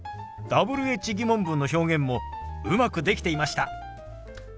Ｗｈ−疑問文の表現もうまくできていました。